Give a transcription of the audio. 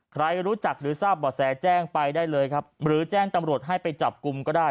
ใครรู้จักหรือทราบบ่อแสแจ้งไปได้เลยครับหรือแจ้งตำรวจให้ไปจับกลุ่มก็ได้